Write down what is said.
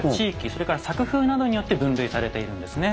それから作風などによって分類されているんですね。